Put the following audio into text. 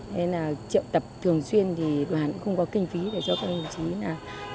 nên là triệu tập thường xuyên thì đoàn cũng không có kinh phí để cho các đồng chí làm